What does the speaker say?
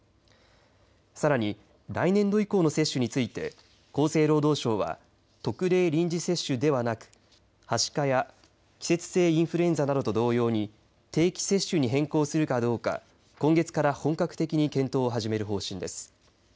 さらに来年度以降の接種について厚生労働省は特例臨時接種ではなくはしかや季節性インフルエンザなどと同様に定期接種に変更するかどうか今月から本格的に検討を始める方針です。